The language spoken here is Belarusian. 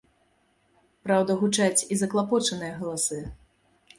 Праўда, гучаць і заклапочаныя галасы.